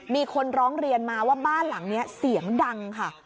มีคนร้องเรียนมาว่าบ้านหลังนี้เสียงดังค่ะ